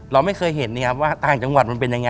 เราไม่เคยเห็นว่าต่างจังหวัดมันเป็นยังไง